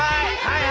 はい！